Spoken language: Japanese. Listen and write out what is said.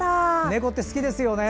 猫って好きですよね。